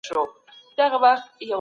بيا تنهايي سوه بيا ستم سو